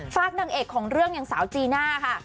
ฝากนางเอกของเรื่องอย่างสาวจีน่าค่ะ